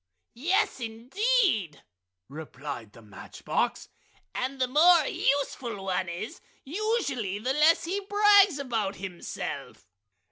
"Yes indeed!" replied the match box. "And the more useful one is, usually, the less he brags about himself!"